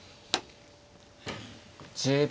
１０秒。